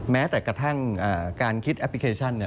แม้แต่กระทั่งการคิดแอปพลิเคชัน